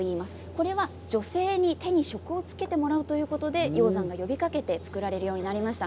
これは女性に手に職をつけてもらおうということで鷹山が呼びかけて作られるようになりました。